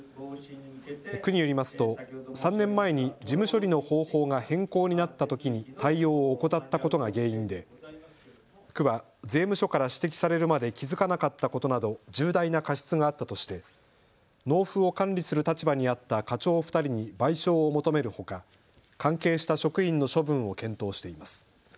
区によりますと３年前に事務処理の方法が変更になったときに対応を怠ったことが原因で区は税務署から指摘されるまで気付かなかったことなど重大な過失があったとして納付を管理する立場にあった課長２人に賠償を求めるほか関係した職員の処分を検討しています。